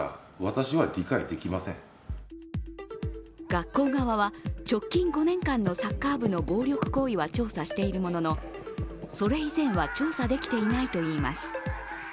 学校側は直近５年間のサッカー部の暴力行為は調査しているものの、それ以前は調査できていないといいます。